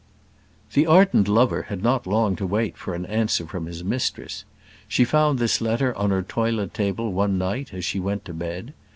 The ardent lover had not to wait long for an answer from his mistress. She found this letter on her toilet table one night as she went to bed.